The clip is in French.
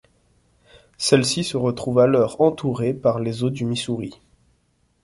Celles-ci se retrouvent alors entourées par les eaux du Missouri.